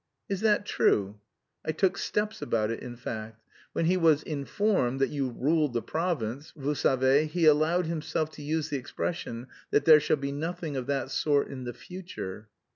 "Is that true?" "I took steps about it, in fact. When he was 'informed' that you 'ruled the province,' vous savez, he allowed himself to use the expression that 'there shall be nothing of that sort in the future.'"